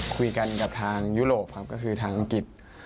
คุยกันกับทางยุโรปครับก็คือทางอังกฤษ